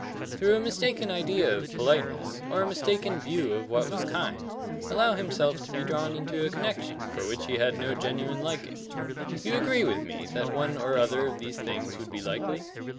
"Through a mistaken idea of politeness, or a mistaken view of what was kind, allow himself to be drawn into a connection for which he had no genuine liking. You agree with me that one or other of these things would be likely?"